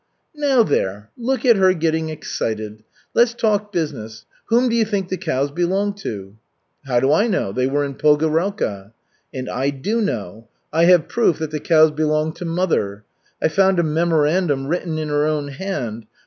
"Now, there! Look at her getting excited! Let's talk business, whom do you think the cows belong to?" "How do I know? They were in Pogorelka." "And I do know. I have proof that the cows belonged to mother. I found a memorandum written in her own hand.